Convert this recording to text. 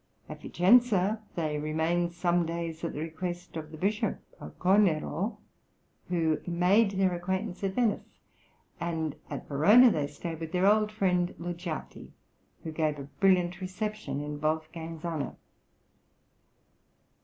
At Vicenza they remained some days at the request of the Bishop, a Cornero, who had made their acquaintance at Venice; and at Verona they stayed with their old friend Luggiati, who gave a brilliant reception in Wolfgang's honour.